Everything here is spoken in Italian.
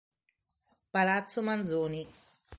Palazzo Manzoni